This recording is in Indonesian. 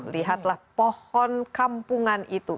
lihatlah pohon kampungan itu